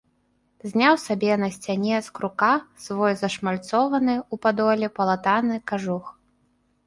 Зняў сабе на сцяне з крука свой зашмальцованы ў падоле палатаны кажух.